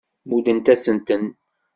Muddent-asent-ten.